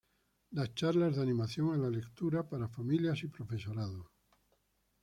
Da charlas de animación a la lectura para familias y profesorado.